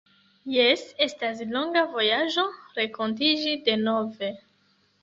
Jes estas longa vojaĝo renkontiĝi denove